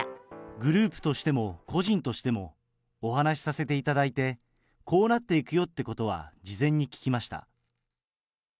グループとしても、個人としても、お話しさせていただいて、こうなっていくよってことは事前に聞きました。